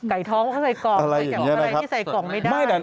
อะไรบ้างที่ใส่กองไม่ได้